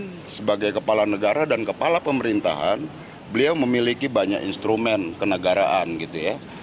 dan sebagai kepala negara dan kepala pemerintahan beliau memiliki banyak instrumen kenegaraan gitu ya